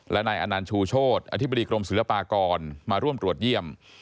และนายอนันต์ชูโชธอธิบดีกรมศิลปากรมาร่วมตรวจเยี่ยม